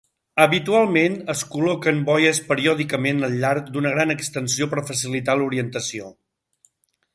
Habitualment, es col·loquen boies periòdicament al llarg d'una gran extensió per facilitar l'orientació.